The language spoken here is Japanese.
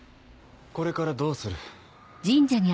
これからどうする？